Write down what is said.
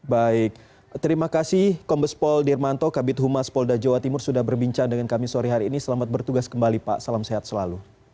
baik terima kasih kombes pol dirmanto kabit humas polda jawa timur sudah berbincang dengan kami sore hari ini selamat bertugas kembali pak salam sehat selalu